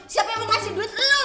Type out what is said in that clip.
siapa yang mau nasi duit lo